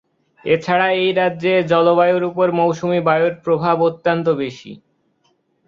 এছাড়া এই রাজ্যের জলবায়ুর উপর মৌসুমী বায়ুর প্রভাব অত্যন্ত বেশি।